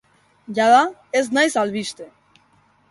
Jada ez naiz albiste.